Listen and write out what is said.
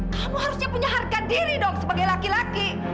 kamu harusnya punya harga diri dong sebagai laki laki